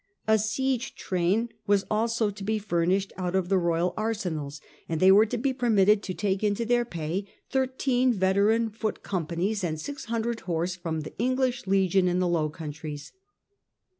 A siege train was also to be furnished out of the royal arsenals, and they were to be permitted to take into their pay thirteen veteran foot companies and six hundred horse from the English legion in the Low Countries.